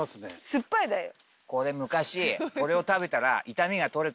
酸っぱいだよ。